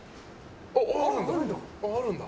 あ、あるんだ。